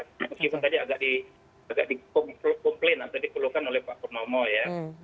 meskipun tadi agak di komplain atau dikeluhkan oleh pak purnomo ya